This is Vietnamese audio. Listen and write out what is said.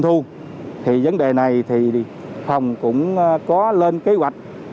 thu thì vấn đề này thì phòng cũng có lên kế hoạch